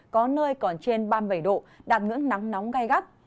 có nơi còn trên ba mươi bảy độ đạt ngưỡng nắng nóng gai gắt